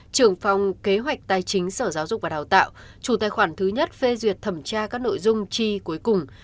tài chính sở giáo dục và đào tạo chủ tài khoản thứ nhất phê duyệt thẩm tra các nội dung chi cuối cùng